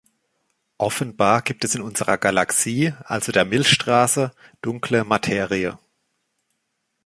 Offenbar gibt es in unserer Galaxie, also der Milchstraße, dunkle Materie.